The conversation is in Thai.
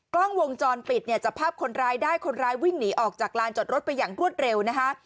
กล้องวงจรปิดเนี่ยจับภาพคนร้ายได้คนร้ายวิ่งหนีออกจากลานจอดรถไปอย่างรวดเร็วนะคะ